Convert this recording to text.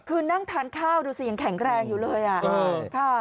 คือนั่งทานข้าวดูสิยังแข็งแรงอยู่เลยอ่ะค่ะ